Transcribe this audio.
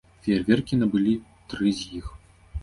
Феерверкі набылі тры з іх.